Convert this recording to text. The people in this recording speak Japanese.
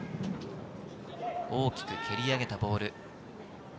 大きく蹴り上げたボール。